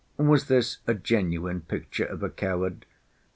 Was this a genuine picture of a coward?